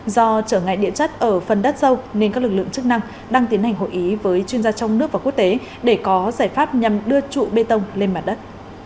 do trở ngại địa chất ở phần đất sâu nên các lực lượng chức năng đang tiến hành hội ý với chuyên gia trong nước và quốc tế để có giải pháp nhằm đưa trụ bê tông lên mặt đất